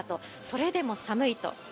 それでも寒いと。